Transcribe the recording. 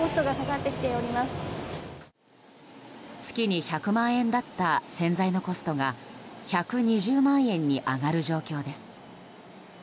月に１００万円だった洗剤のコストが１２０万円に上がる状況です。